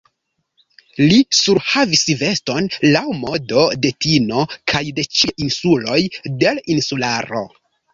Li surhavis veston laŭ modo de Tino kaj de ĉiuj insuloj de l' Insularo.